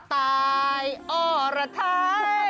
ตายอรไทย